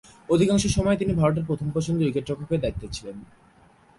অধিকাংশ সময়েই তিনি ভারতের প্রথম পছন্দের উইকেট-রক্ষকের দায়িত্বে ছিলেন।